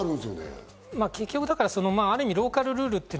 ある意味ローカルルールとい